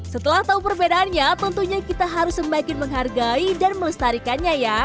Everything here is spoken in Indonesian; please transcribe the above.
setelah tahu perbedaannya tentunya kita harus semakin menghargai dan melestarikannya ya